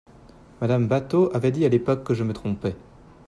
Madame Batho avait dit à l’époque que je me trompais.